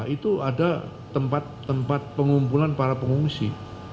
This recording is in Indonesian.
itu ada tempat tempat pengumpulan para pengungsi